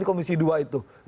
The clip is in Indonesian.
di komisi dua itu